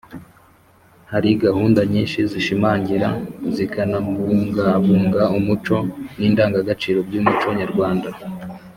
hari gahunda nyinshi zishimangira zikanabungabunga umuco n’indangagaciro by’umuco nyarwanda.